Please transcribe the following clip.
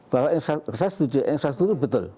bahwa saya setuju saya setuju betul